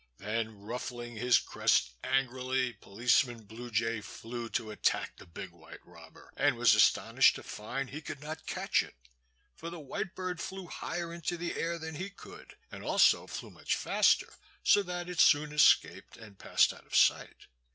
Then, ruffling his crest angrily, Policeman Blue Jay flew to attack the big white robber, and was astonished to find he could not catch it. For the white bird flew higher into the air than he could, and also flew much faster, so that it soon escaped and passed out of sight.